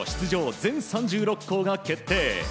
全３６校が決定。